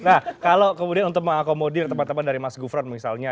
nah kalau kemudian untuk mengakomodir teman teman dari mas gufron misalnya